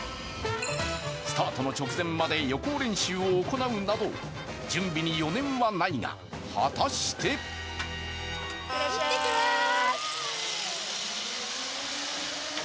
スタートの直前まで予行練習を行うなど、準備に余念はないが果たして行ってきまーす。